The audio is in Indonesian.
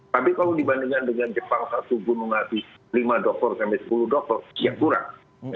tapi kalau dibandingkan dengan jepang satu gunung api lima dokter sampai sepuluh dokter yang kurang